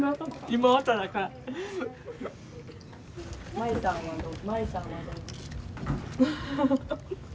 真衣さんはどう？